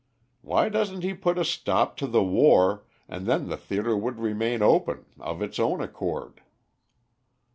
"Why doesn't he put a stop to the war, and then the theatre would remain open of its own accord."